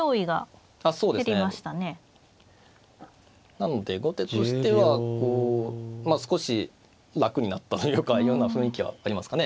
なので後手としてはこうまあ少し楽になったというかような雰囲気はありますかね。